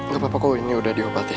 gapapa kok ini udah diobatin